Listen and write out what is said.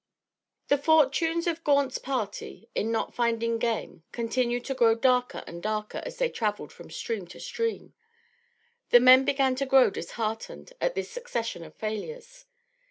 The fortunes of Gaunt's party in not finding game continued to grow darker and darker as they traveled from stream to stream. The men began to grow disheartened at this succession of failures.